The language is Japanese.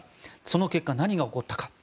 その結果、何が起こったか。